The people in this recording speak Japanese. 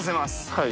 はい